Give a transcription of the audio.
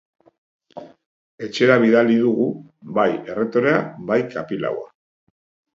Etxera bidali dugu, bai erretorea, bai kapilaua.